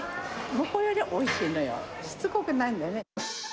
どこよりもおいしいのよ、しつこくないのよね。